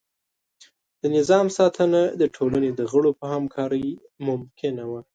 د نظام ساتنه د ټولنې د غړو په همکارۍ ممکنه وه.